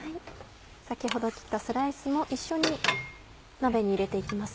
先ほど切ったスライスも一緒に鍋に入れて行きます。